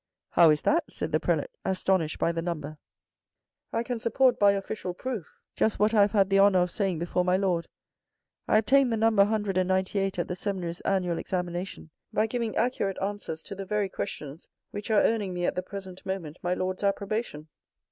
"How is that?" said the Prelate astonished by the number." " I can support by official proof just what I have had the honour of saying before my lord. I obtained the number 198 at the seminary's annual examination by giving accurate answers to the very questions which are earning me at the present moment my lord's approbation.